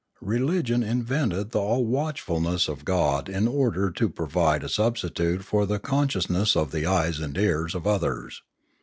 Religion invented the all watchfulness of God in order to provide a substitute for the consciousness of the eyes and ears of others.